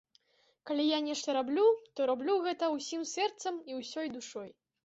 Калі я нешта раблю, то раблю гэта ўсім сэрцам і ўсёй душой.